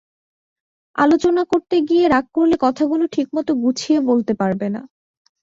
আলোচনা করতে গিয়ে রাগ করলে কথাগুলো ঠিকমতো গুছিয়ে বলতে পারবে না।